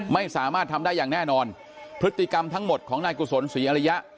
ไม่สามารถทำได้อย่างแน่นอนพฤติกรรมทั้งหมดของนายกุศลศรีอริยะ